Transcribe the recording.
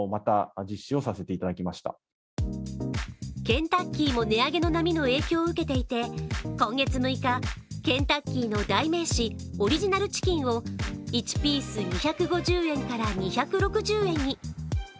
ケンタッキーも値上げの波の影響を受けていて今月６日、ケンタッキーの代名詞オリジナルチキンを１ピース２５０円から２６０円に。